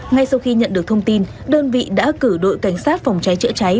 ngay sau khi nhận được thông tin đơn vị đã cử đội cảnh sát phòng cháy chữa cháy